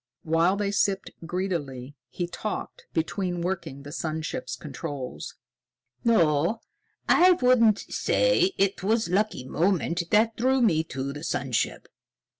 While they sipped greedily, he talked, between working the sun ship's controls. "No, I wouldn't say it was a lucky moment that drew me to the sun ship.